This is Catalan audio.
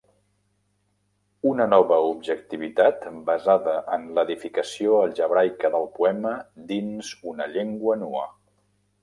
Una nova objectivitat, basada en l'edificació algebraica del poema dins una llengua nua.